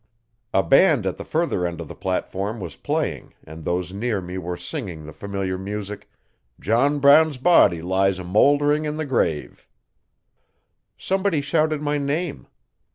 A band at the further end of the platform was playing and those near me were singing the familiar music, 'John Brown's body lies a mouldering in the grave. Somebody shouted my name.